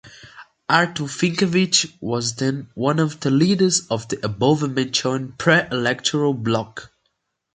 Artur Finkevich was then one of the leaders of the above-mentioned pre-electoral block.